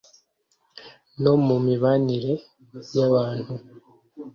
no mu mibanire ya bantu